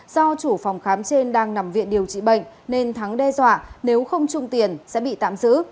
do chủ phòng khám trên đang nằm viện điều trị bệnh nên thắng đe dọa nếu không trung tiền sẽ bị tạm giữ